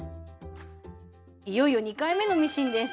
いよいよ２回目のミシンです。